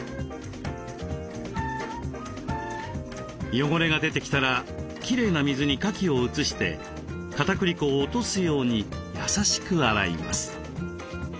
汚れが出てきたらきれいな水にかきを移してかたくり粉を落とすようにやさしく洗います。